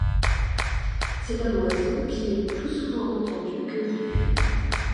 C'est un oiseau qui est plus souvent entendu que vu.